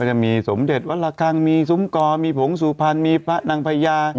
จะมีสมเด็จวัดละคังมีซุ้มกอมีผงสุพรรณมีพระนางพญา